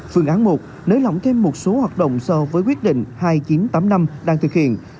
phương án một nới lỏng thêm một số hoạt động so với quyết định hai nghìn chín trăm tám mươi năm đang thực hiện